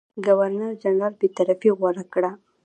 ګورنرجنرال بېطرفي غوره کړي.